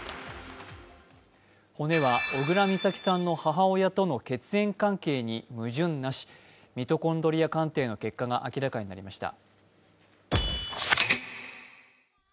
骨は、小倉美咲さんの母親との血縁関係に矛盾なしミトコンドリア鑑定の結果が明らかになりました。